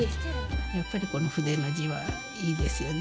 やっぱりこの筆の字はいいですよね。